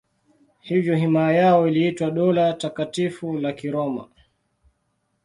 Hivyo himaya yao iliitwa Dola Takatifu la Kiroma.